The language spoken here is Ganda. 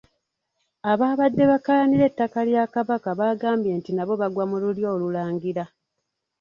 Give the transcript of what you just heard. Abaabadde bakaayanira ettaka lya Kabaka baagambye nti nabo bagwa mu lulyo lulangira.